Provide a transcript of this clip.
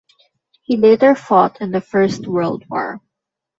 He later fought in the First World War.